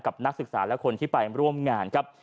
นักศึกษาและคนที่ไปร่วมงานครับ